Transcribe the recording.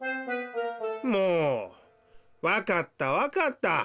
もうわかったわかった！